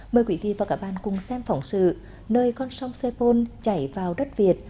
mời quý vị và các bạn cùng xem phỏng sự nơi con sông sepol chảy vào đất việt